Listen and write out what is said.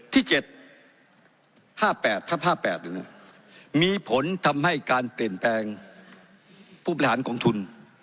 ที่๗๕๘ทับ๕๘มีผลทำให้การเปลี่ยนแปลงผู้บริหารของทุน